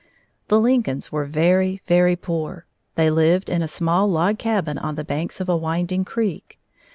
The Lincolns were very, very poor. They lived in a small log cabin on the banks of a winding creek.